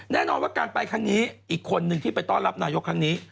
แน่นอนว่าการไปครั้งนี้อีกคนนึงที่ไปต้อนรับนายกครั้งนี้